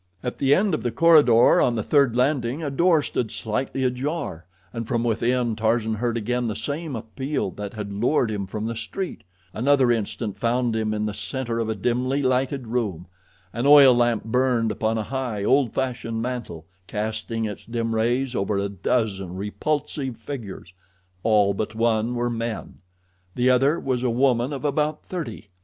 At the end of the corridor on the third landing a door stood slightly ajar, and from within Tarzan heard again the same appeal that had lured him from the street. Another instant found him in the center of a dimly lighted room. An oil lamp burned upon a high, old fashioned mantel, casting its dim rays over a dozen repulsive figures. All but one were men. The other was a woman of about thirty.